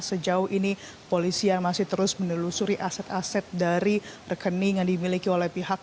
sejauh ini polisian masih terus menelusuri aset aset dari rekening yang dimiliki oleh pihak